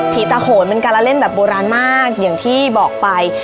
ตาโขนเป็นการละเล่นแบบโบราณมากอย่างที่บอกไป